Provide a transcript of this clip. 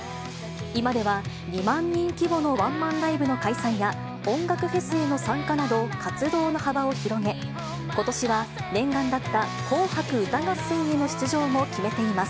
今では、２万人規模のワンマンライブの開催や、音楽フェスへの参加など、活動の幅を広げ、ことしは念願だった紅白歌合戦への出場も決めています。